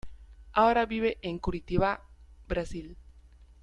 Ahora vive en Curitiba, Brasil.